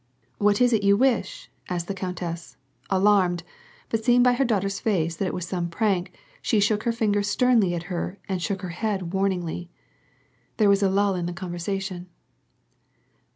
" What is it y©u wish ?" asked the countess, alarmed ; but seeing by her daughter's face that it was some prank, she shook her finger sternly at her and shook her head warningly. There was a lull in the conversation.